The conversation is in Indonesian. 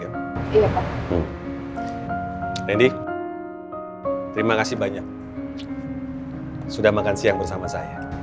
terima kasih banyak sudah makan siang bersama saya